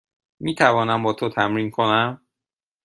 می توانم با تو تمرین کنم؟